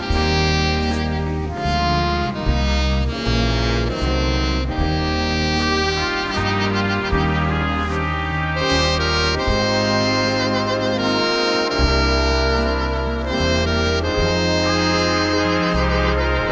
รักเป็นสิ้นที่สุดท้ายรักเป็นสิ้นที่สุดท้าย